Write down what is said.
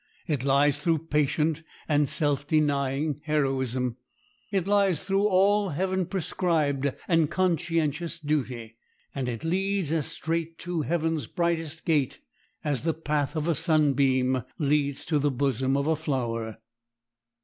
It lies through patient and self denying heroism. It lies through all heaven prescribed and conscientious duty; and it leads as straight to heaven's brightest gate as the path of a sunbeam leads to the bosom of a flower.